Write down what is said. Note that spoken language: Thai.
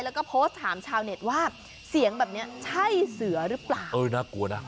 แล้วก็โพสต์ถามชาวเน็ตว่าเสียงแบบเนี้ยใช่เสือหรือเปล่าเออน่ากลัวนะ